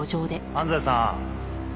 安西さん。